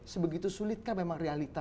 sebegitu sulitkah memang realita